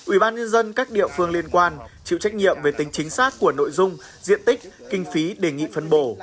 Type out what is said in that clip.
ủy ban nhân dân các địa phương liên quan chịu trách nhiệm về tính chính xác của nội dung diện tích kinh phí đề nghị phân bổ